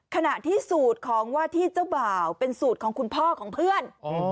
ขณะที่สูตรของว่าที่เจ้าบ่าวเป็นสูตรของคุณพ่อของเพื่อน